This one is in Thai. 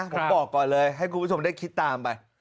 ผมบอกก่อนเลยให้คุณผู้ชมได้คิดตามไป